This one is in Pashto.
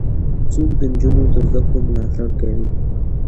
څوک د نجونو د زدهکړو ملاتړ کوي؟